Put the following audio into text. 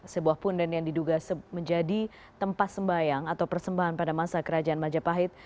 sebuah punden yang diduga menjadi tempat sembayang atau persembahan pada masa kerajaan majapahit